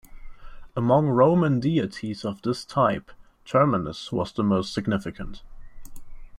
Among Roman deities of this type, Terminus was the most significant.